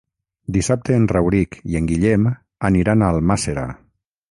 Dissabte en Rauric i en Guillem aniran a Almàssera.